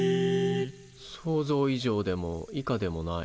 想像以上でも以下でもない。